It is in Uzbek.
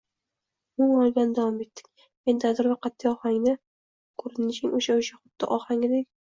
– Umuman olganda, – davom etdim men dadil va qatʼiy ohangda, – koʻrinishing oʻsha-oʻsha, xuddi oldingidek.